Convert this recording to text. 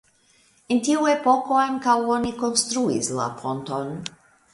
En tiu epoko ankaŭ oni konstruis la ponton.